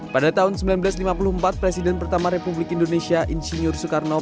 pada tahun seribu sembilan ratus lima puluh empat presiden pertama republik indonesia insinyur soekarno